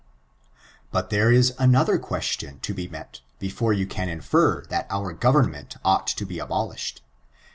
But there is another question to be met, before you can infer that our government ought to be abolished.